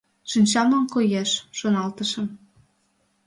Шинчамлан коеш, шоналтышым.